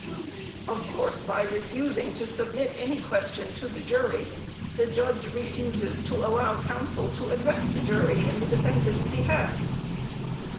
Of course by refusing to submit any question to the jury, the judge refuses to allow counsel to address the jury in the defendant's behalf.